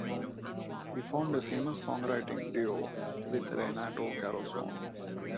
He formed a famous songwriting duo with Renato Carosone.